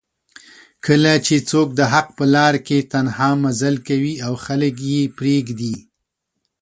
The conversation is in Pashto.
کله چې څوک دحق په لار کې تنها مزل کوي او خلک یې پریږدي